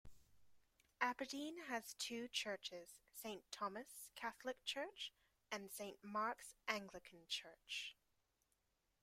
Aberdeen has two churches - Saint Thomas Catholic Church, and Saint Marks Anglican Church.